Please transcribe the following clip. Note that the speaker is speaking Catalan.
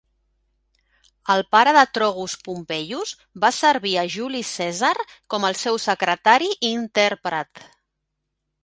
El pare de Trogus Pompeius va servir a Juli Cèsar com el seu secretari i intèrpret.